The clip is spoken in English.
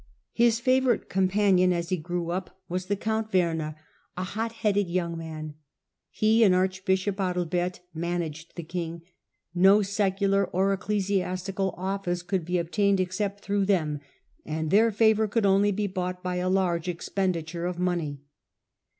His favourite companion as he ^•^' DgtzedbyGdbgle C6 HlLDEBRAND grew up was the count Werner, a hot headod young man. He and archbishop Adalbert managed the king ; no secular or ecclesiastical oflSce could be obtained except through them, and their favour could only be bought by /large expenditure of money.